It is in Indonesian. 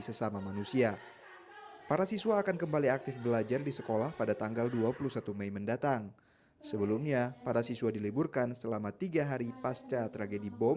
para guru juga meminta para guru untuk menyiapkan kegiatan keagamaan dan kegiatan sekolah yang menyenangkan pada hari pertama sekolah pasca tragedi bom